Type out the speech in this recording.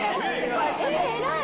偉い！